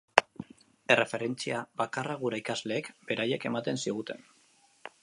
Erreferentzia bakarra gure ikasleek beraiek ematen ziguten.